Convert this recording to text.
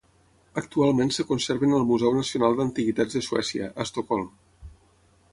Actualment es conserven al Museu Nacional d'Antiguitats de Suècia, a Estocolm.